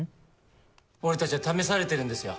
俺たちは試されているんですよ。